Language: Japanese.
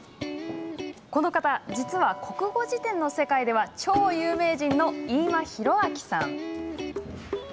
この方、実は国語辞典の世界では超有名人の飯間浩明さん。